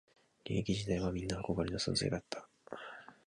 現役時代はみんな憧れの存在だった